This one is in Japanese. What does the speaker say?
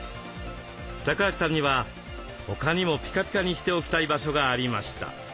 橋さんには他にもピカピカにしておきたい場所がありました。